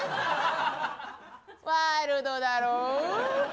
ワイルドだろぉ。